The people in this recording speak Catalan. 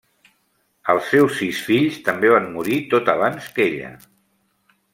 Els seus sis fills també van morir tots abans que ella.